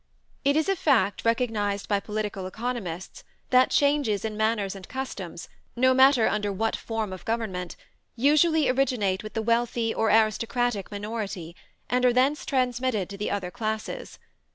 It is a fact recognized by political economists that changes in manners and customs, no matter under what form of government, usually originate with the wealthy or aristocratic minority, and are thence transmitted to the other classes.